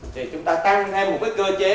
thì chúng ta tăng thêm một cái cơ chế